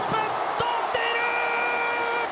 とっている！